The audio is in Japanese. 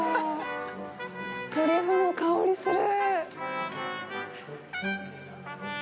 トリュフの香りする。